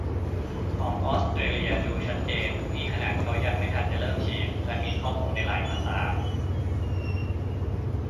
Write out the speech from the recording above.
ของออสเตรเลีย ดูชัดเจน นี่ขนาดเค้ายังไม่ทันจะเริ่มฉีด และมีข้อมูลในหลายภาษา